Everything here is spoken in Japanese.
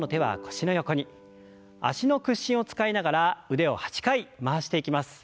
脚の屈伸を使いながら腕を８回回していきます。